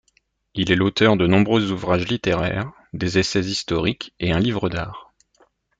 Il est l'auteur de nombreux ouvrages littéraires, des essais historiques et un livre d'art.